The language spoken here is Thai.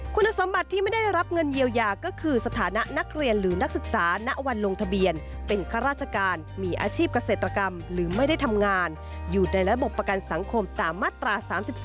คุณสมบัติที่ไม่ได้รับเงินเยียวยาก็คือสถานะนักเรียนหรือนักศึกษาณวันลงทะเบียนเป็นข้าราชการมีอาชีพเกษตรกรรมหรือไม่ได้ทำงานอยู่ในระบบประกันสังคมตามมาตรา๓๓